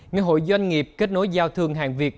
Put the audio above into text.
ngày hội doanh nghiệp kết nối giao thương hàng việt